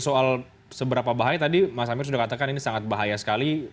soal seberapa bahaya tadi mas amir sudah katakan ini sangat bahaya sekali